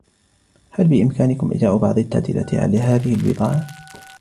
هل بإمكانكم إجراء بعض التعديلات على هذه البضاعة ؟